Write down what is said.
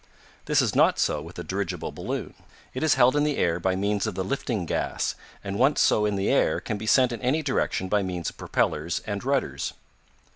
This is not so with a dirigible balloon. It is held in the air by means of the lifting gas, and once so in the air can be sent in any direction by means of propellers and rudders.